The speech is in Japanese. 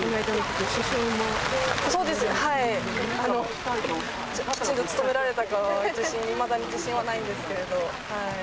そうです、きちんと務められたか、いまだに自信はないんですけれど。